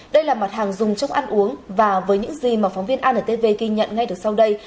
đây là mặt hàng dùng trong ăn uống và với những gì mà phóng viên antv ghi nhận ngay được sau đây